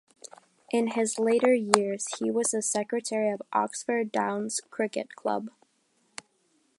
In his later years he was the secretary of Oxford Downs Cricket Club.